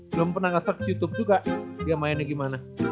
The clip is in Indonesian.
belum pernah nge search youtube juga dia mainnya gimana